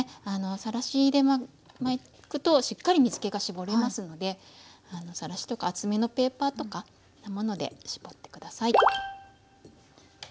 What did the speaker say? さらしで巻くとしっかり水けが絞れますのでさらしとか厚めのペーパーとかそういうもので絞って下さい。